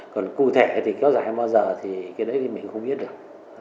còn cụ thể thì kéo dài bao giờ thì mình không biết được